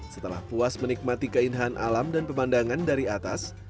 setelah puas menikmati keindahan alam dan pemandangan dari atas